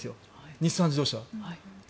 日産自動車は。